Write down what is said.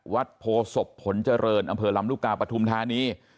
วัดโพศพผลเจริญอำเภอลำลูกกาปฐุมธานี